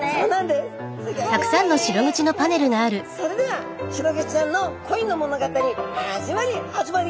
それではシログチちゃんの恋の物語始まり始まり。